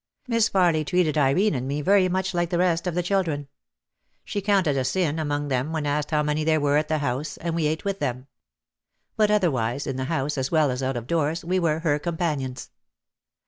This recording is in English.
Miss Farly treated Irene and me very much like the rest of the children. She counted us in among them when asked how many there were at the house and we OUT OF THE SHADOW 265 ate with them. But otherwise, in the house as well as out of doors we were her companions.